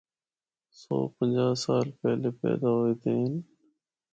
سو پنجاع سال پہلا پیدا ہویے دے ہن۔